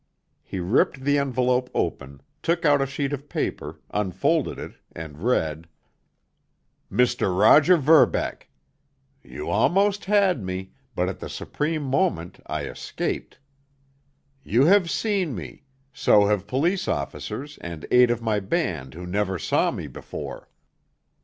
He ripped the envelope open, took out a sheet of paper, unfolded it, and read: Mr. Roger Verbeck: You almost had me, but at the supreme moment I escaped. You have seen me; so have police officers and eight of my band who never saw me before.